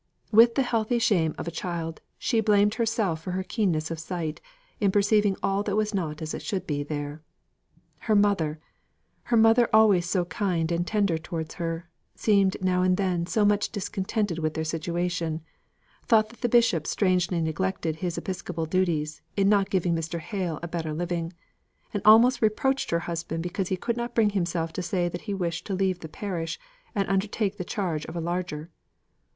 With the healthy shame of a child, she blamed herself for her keenness of sight in perceiving that all was not as it should be there. Her mother her mother always so kind and tender towards her seemed now and then so much discontented with their situation; thought that the bishop strangely neglected his episcopal duties, in not giving Mr. Hale a better living; and almost reproached her husband because he could not bring himself to say that he wished to leave the parish, and undertake the charge of a larger.